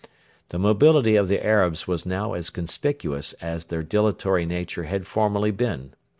The mobility of the Arabs was now as conspicuous as their dilatory nature had formerly been.